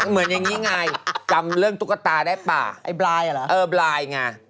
เหมือนอย่างนี้ไงจำเรื่องตุ๊กตาได้ป่ะไอ้บรายเหรอเออบลายไง